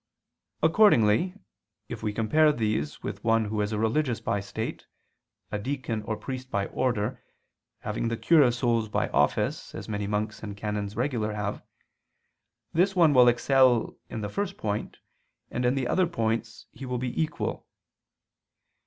Accordingly, if we compare these with one who is a religious by state, a deacon or priest by order, having the cure of souls by office, as many monks and canons regular have, this one will excel in the first point, and in the other points he will be equal.